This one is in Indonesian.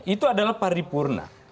itu adalah pari purna